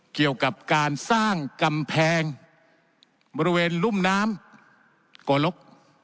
เกี่ยวกับการสร้างกำแพงบริเวณรุ่มน้ำโกลก